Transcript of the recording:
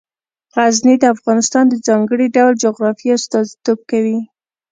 غزني د افغانستان د ځانګړي ډول جغرافیه استازیتوب کوي.